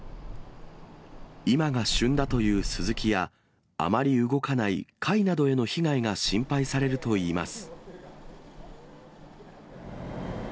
今が旬だというスズキや、あまり動かない貝などへの被害が心配されるといいます。